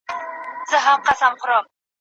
زما سره به تللي وي، پېغور دی که تورونه دي